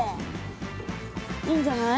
いいんじゃない？